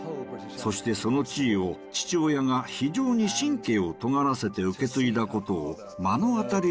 そしてその地位を父親が非常に神経をとがらせて受け継いだことを目の当たりにしたのです。